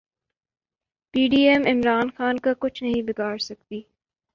پی D M Imran Khan کا کچھ نہیں بگاڑسکتی